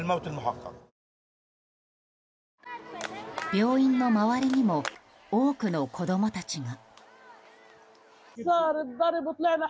病院の周りにも多くの子供たちが。